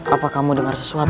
apa kamu dengar sesuatu